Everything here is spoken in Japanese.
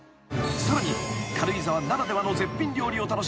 ［さらに軽井沢ならではの絶品料理を楽しむ